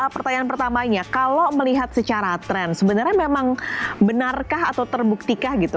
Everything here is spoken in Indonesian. pertanyaan pertamanya kalau melihat secara tren sebenarnya memang benarkah atau terbuktikah gitu